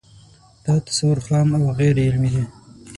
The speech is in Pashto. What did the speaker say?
دا تصور خام او غیر علمي دی